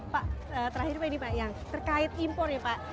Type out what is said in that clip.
pak terakhir pak ini pak yang terkait impor ya pak